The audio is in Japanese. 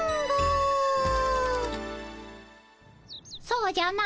「そうじゃな。